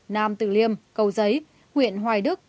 nam tử liêm cầu giấy huyện hoài đức